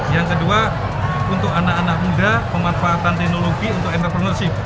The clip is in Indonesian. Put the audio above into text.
yang kedua untuk anak anak muda pemanfaatan teknologi untuk entrepreneurship